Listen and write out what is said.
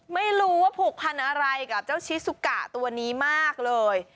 ไม่รู้ว่าผูกพันอะไรกับเจ้าชิสุกะตัวนี้มากเลย